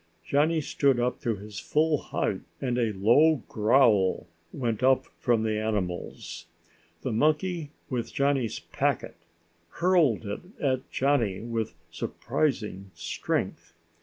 Johnny stood up to his full height and a low growl went up from the animals. The monkey with Johnny's packet hurled it at Johnny with surprising strength.